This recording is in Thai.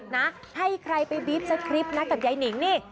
นะให้ใครไปบีฟสคริปต์นะกับยายนิงนี่